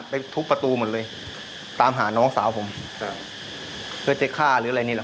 ทุบประตูหมดเลยตามหาน้องสาวผมครับเพื่อจะฆ่าหรืออะไรนี่แหละ